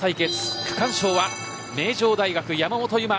区間賞は名城大学、山本有真。